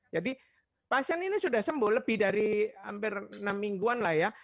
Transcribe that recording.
jadi pasien ini sudah sembuh lebih dari hampir enam mingguan lah ya